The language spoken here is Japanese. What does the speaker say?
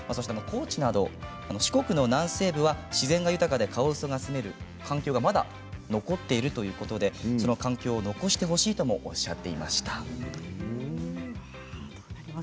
高知など四国の南西部は自然が豊かでカワウソが住める環境が、まだ残っているということでそういう環境を残してほしいともおっしゃっていました。